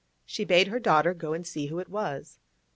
She bade her daughter go and see who it was.